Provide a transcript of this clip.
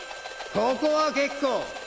ここは結構！